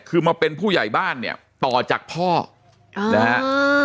คือมาเป็นผู้ใหญ่บ้านเนี่ยต่อจากพ่ออ่านะฮะ